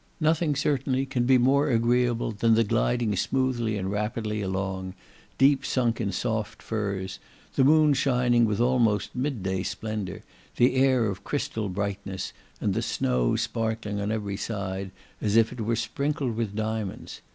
Nothing, certainly, can be more agreeable than the gliding smoothly and rapidly along, deep sunk in soft furs, the moon shining with almost midday splendour, the air of crystal brightness, and the snow sparkling on every side, as if it were sprinkled with diamonds.